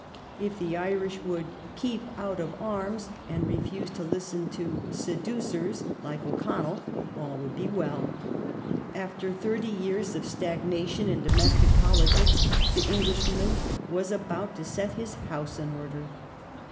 If the Irish would " keep out of arms," and refuse to listen to " seducers " like O'Connell all would be well. After thirty years of stagnation in domestic politics the Englishman was about to set his house in order.